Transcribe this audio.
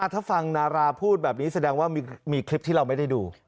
ถ้าฟังนาราพูดแบบนี้แสดงว่ามีคลิปที่เราไม่ได้ดู